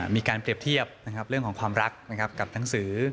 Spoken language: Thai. มีการเปรียบเทียบเรื่องของความรักกับหนังสือ